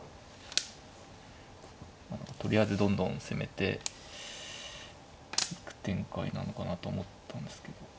とりあえずどんどん攻めていく展開なのかなと思ったんですけど。